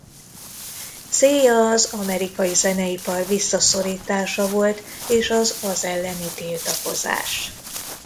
Célja az amerikai zeneipar visszaszorítása volt és az az elleni tiltakozás.